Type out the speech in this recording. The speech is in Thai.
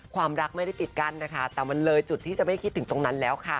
ความรักไม่ได้ปิดกั้นนะคะแต่มันเลยจุดที่จะไม่คิดถึงตรงนั้นแล้วค่ะ